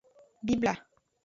Bibla.